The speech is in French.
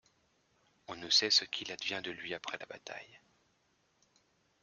On ne sait ce qu'il advient de lui après la bataille.